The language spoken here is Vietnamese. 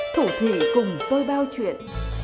thủ thị cùng tôi bao chuyện